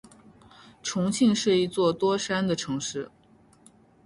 重庆是一座多山的城市。